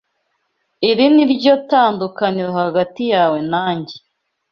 Iri ni ryo tandukaniro hagati yawe nanjye.